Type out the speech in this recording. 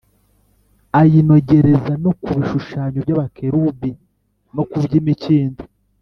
ayinogereza no ku bishushanyo by’abakerubi no ku by’imikindo